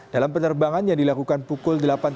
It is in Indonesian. dalam penerbangan yang dilakukan pukul delapan tiga puluh